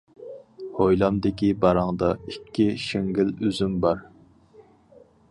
ھويلامدىكى باراڭدا، ئىككى شىڭگىل ئۈزۈم بار.